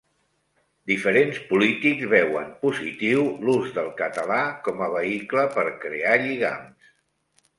Diferents polítics veuen positiu l'ús del català com a vehicle per crear lligams